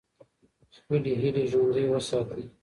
خپلې هیلې ژوندۍ وساتئ.